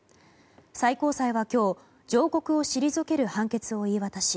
最高裁は今日上告を退ける判決を言い渡し